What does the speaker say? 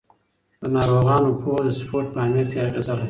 د ناروغانو پوهه د سپورت په اهمیت کې اغېزه لري.